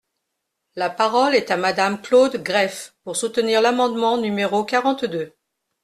La parole est à Madame Claude Greff, pour soutenir l’amendement numéro quarante-deux.